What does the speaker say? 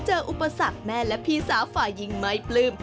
อุปสรรคแม่และพี่สาวฝ่ายหญิงไม่ปลื้ม